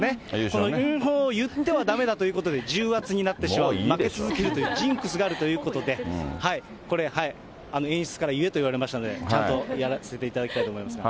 この優勝を言ってはだめだということで、重圧になってしまう、ジンクスがあるということで、これ、演出から言えと言われましたので、ちゃんとやらせていただきたいと思いますが。